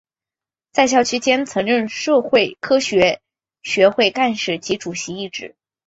在校期间曾任社会科学学会干事及主席一职。